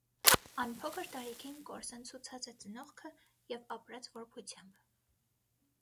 Ան փոքր տարիքին կորսնցուցած է ծնողքը եւ ապրած որբութեամբ։